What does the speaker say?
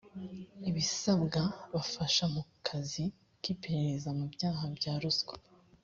ibisabwa bafasha mu kazi k iperereza mu byaha bya ruswa